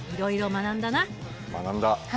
学んだ。